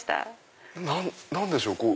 何でしょう？